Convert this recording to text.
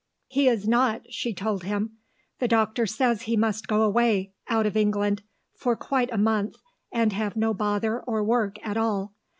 "He is not," she told him. "The doctor says he must go away out of England for quite a month, and have no bother or work at all.